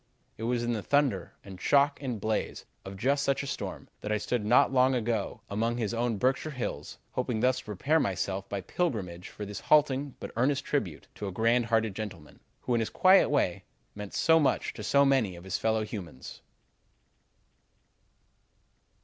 "It was in the thunder and shock and blaze of just such a storm that I stood not long ago among his own Berkshire Hills, hoping thus to prepare myself by pilgrimage for this halting but earnest tribute to a great hearted gentleman, who, in his quiet way, meant so much to so many of his fellow humans."